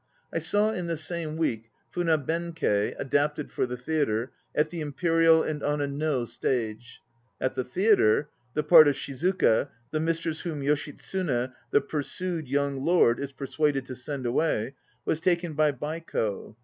I saw in the same week Funa Benkei, adapted for the theatre, at the Imperial and on a No stage. At the theatre, the part of Shizuka, the mistress whom Yoshitsune the pursued young lord is persuaded to send away, was taken by Baiko.